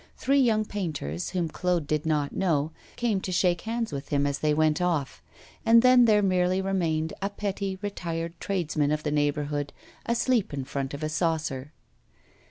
Three young painters, whom Claude did not know, came to shake hands with him as they went off; and then there merely remained a petty retired tradesman of the neighbourhood, asleep in front of a saucer.